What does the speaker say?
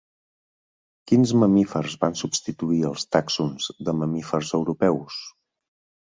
Quins mamífers van substituir els tàxons de mamífers europeus?